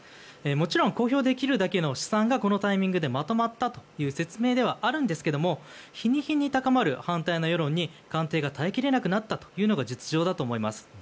もちろん公表できるだけの試算がこのタイミングでまとまったという説明ではあるんですが日に日に高まる反対の世論に官邸が耐え切れなくなったのが実情だと思います。